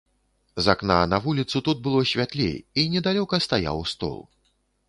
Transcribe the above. З акна на вуліцу тут было святлей, і недалёка стаяў стол.